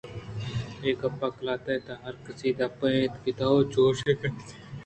اے گپ قلات ءِ تہا ہرکسی دپ ءَ اِنت کہ تو چوشیں کارندہے